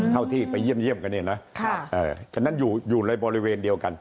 เข้าที่ไปเยี่ยมเยี่ยมกันเนี่ยนะค่ะเอ่อกันนั้นอยู่อยู่ในบริเวณเดียวกัน